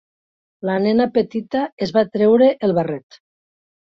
La nena petita es va treure el barret.